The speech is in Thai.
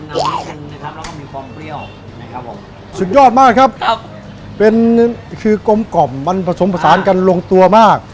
ครับผมสุดยอดมากครับครับเป็นคือกลมกล่อมมันผสมผสานกันลงตัวมาก